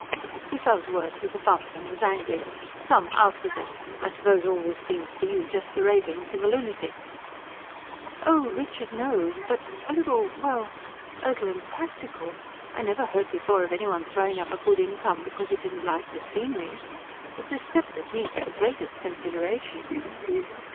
He fell to earth with a bump, and was angry. "Come ... out with it! I suppose all this seems to you just the raving of a lunatic?" "Oh, Richard, no. But a little ... well, a little unpractical. I never heard before of any one throwing up a good income because he didn't like the scenery. It's a step that needs the greatest consideration."